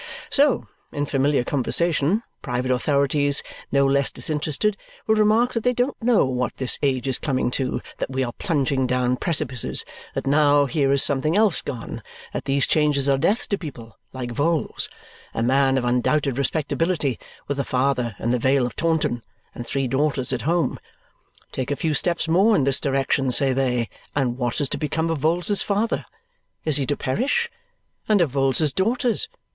So in familiar conversation, private authorities no less disinterested will remark that they don't know what this age is coming to, that we are plunging down precipices, that now here is something else gone, that these changes are death to people like Vholes a man of undoubted respectability, with a father in the Vale of Taunton, and three daughters at home. Take a few steps more in this direction, say they, and what is to become of Vholes's father? Is he to perish? And of Vholes's daughters?